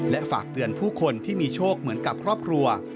และฝากเตือนผู้คนที่มีโชคเหมือนกับครอบครัว